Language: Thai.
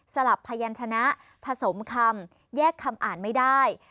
สลับพยานชนะผสมคำแยกคำอ่านไม่ได้